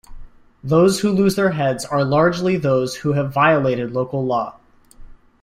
Those who lose their heads are largely those who have violated local law.